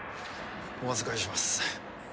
・お預かりします